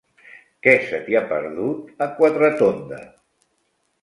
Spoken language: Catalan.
Què se t'hi ha perdut, a Quatretonda?